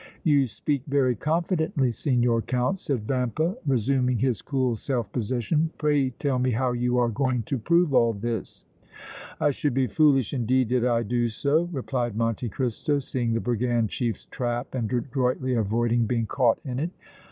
"You speak very confidently, Signor Count," said Vampa, resuming his cool self possession. "Pray tell me how you are going to prove all this?" "I should be foolish, indeed, did I do so," replied Monte Cristo, seeing the brigand chief's trap and adroitly avoiding being caught in it.